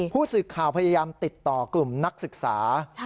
ผู้สื่อข่าวพยายามติดต่อกลุ่มนักศึกษา